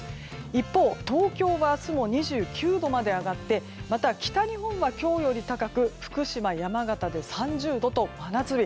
一方、東京は明日も２９度まで上がってまた、北日本は今日より高く福島、山形で３０度と真夏日。